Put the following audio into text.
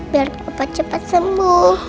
biar papa cepat sembuh